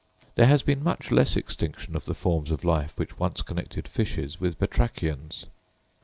There has been much less extinction of the forms of life which once connected fishes with Batrachians.